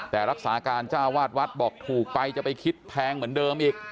แต่รักษาการเจ้าวาดวัดบอกถูกไปจะไปคิดแพงเหมือนเดิมอีก